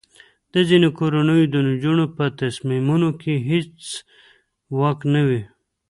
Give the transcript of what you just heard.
د ځینو کورنیو د نجونو په تصمیمونو کې هیڅ واک نه وي.